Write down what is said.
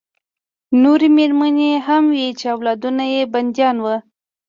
نورې مېرمنې هم وې چې اولادونه یې بندیان وو